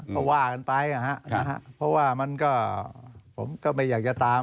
ก็ว่ากันไปนะฮะเพราะว่ามันก็ผมก็ไม่อยากจะตาม